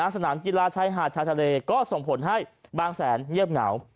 สนามกีฬาชายหาดชายทะเลก็ส่งผลให้บางแสนเงียบเหงา